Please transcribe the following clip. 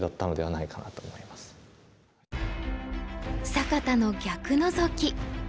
坂田の逆ノゾキ。